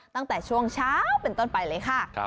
ตั้งแต่ช่วงเช้าเป็นต้นไปเลยค่ะ